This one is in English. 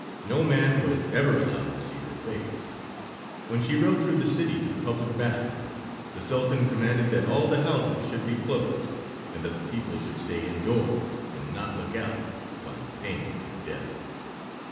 No man was ever allowed to see her face. When she rode through the city to the public baths the Sultan commanded that all the houses should be closed and that the people should stay indoors and not look out, upon pain of death.